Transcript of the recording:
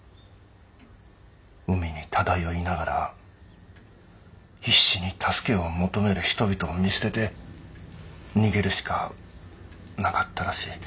海に漂いながら必死に助けを求める人々を見捨てて逃げるしかなかったらしい。